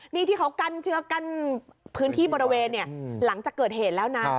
นี่ที่เขากั้นเชื้อกั้นพื้นที่บริเวณเนี่ยหลังจากเกิดเหตุแล้วนะ